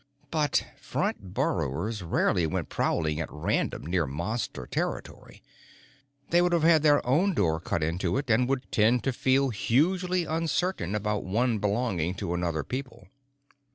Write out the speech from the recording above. But front burrowers rarely went prowling at random near Monster territory. They would have their own door cut into it and would tend to feel hugely uncertain about one belonging to another people.